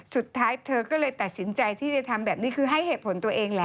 เธอก็เลยตัดสินใจที่จะทำแบบนี้คือให้เหตุผลตัวเองแหละ